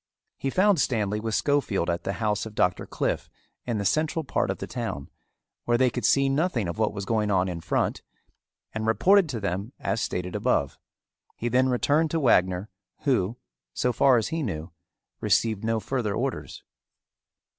He found Stanley with Schofield at the house of Doctor Cliffe in the central part of the town, where they could see nothing of what was going on in front, and reported to them as stated above. He then returned to Wagner who, so far as he knew, received no further orders.